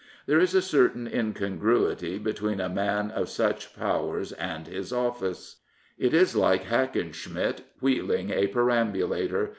There is a certain incongruity between a man of 312 Lewis Harcourt such powers and his of&ce. It is like Hackenschmidt wheeling a perambulator.